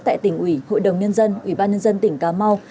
tại tỉnh ủy hội đồng nhân dân ủy ban nhân dân tỉnh cà mau